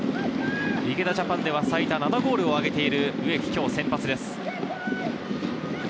池田ＪＡＰＡＮでは最多７ゴールを挙げている植木が今日先発です。